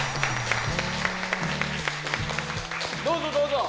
どうぞどうぞ。